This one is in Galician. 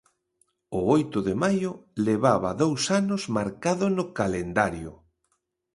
O oito de maio levaba dous anos marcado no calendario.